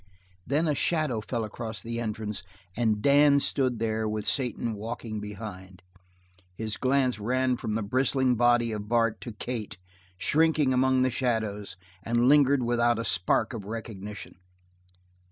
Then a shadow fell across the entrance and Dan stood there with Satan walking behind. His glance ran from the bristling body of Bart to Kate, shrinking among the shadows, and lingered without a spark of recognition.